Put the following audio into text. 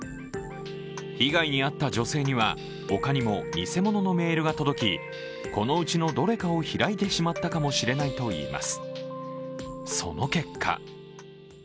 被害に遭った女性には、他にも偽物のメールが届き、このうちのどれかを開いてしまったかもしれないといいます。